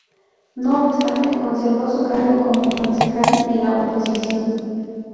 No obstante, conservó su cargo como concejal en la oposición.